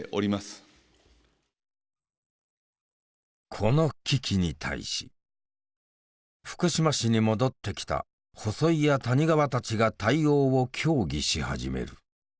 この危機に対し福島市に戻ってきた細井や谷川たちが対応を協議し始める。